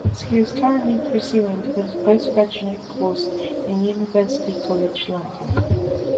She is currently pursuing a post graduate course in University College London.